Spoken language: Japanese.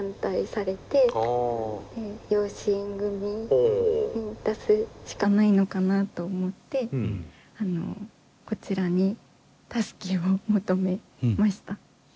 養子縁組に出すしかないのかなと思ってこちらに助けを求めました。